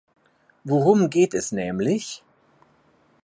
Worum geht es nämlich?